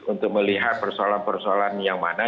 untuk melihat persoalan persoalan yang mana